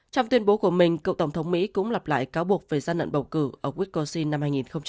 trong tuyên bố của mình cậu tổng thống mỹ cũng lặp lại cáo buộc về gian nận bầu cử ở wisconsin năm hai nghìn hai mươi